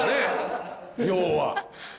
要は。